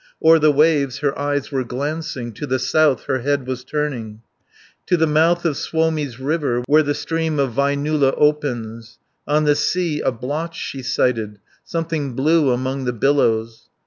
O'er the waves her eyes were glancing, To the south her head was turning, To the mouth of Suomi's river, Where the stream of Väinölä opens. 60 On the sea a blotch she sighted, Something blue among the billows.